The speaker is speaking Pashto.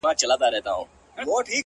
• پر دې دُنیا سوځم پر هغه دُنیا هم سوځمه،